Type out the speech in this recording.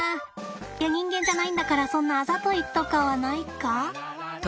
いや人間じゃないんだからそんなあざといとかはないか。